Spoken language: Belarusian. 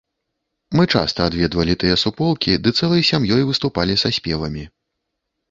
Мы часта адведвалі тыя суполкі ды цэлай сям'ёй выступалі са спевамі.